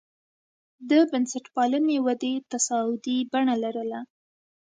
د بنسټپالنې ودې تصاعدي بڼه لرله.